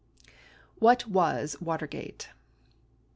What Was Watergate?